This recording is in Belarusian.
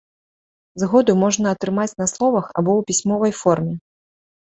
Згоду можна атрымаць на словах або ў пісьмовай форме.